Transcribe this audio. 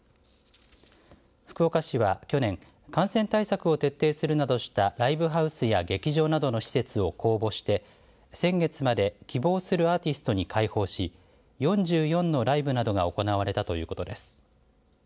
福岡市は、去年感染対策を徹底するなどしたライブハウスや劇場などの施設を公募して先月まで希望するアーティストに開放し４４のライブなどが行われたということです。